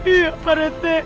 iya pak rete